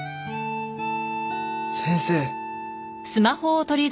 先生。